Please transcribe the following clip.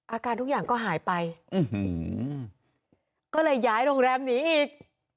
อาการทุกอย่างก็หายไปก็เลยย้ายโรงแรมหนีอีก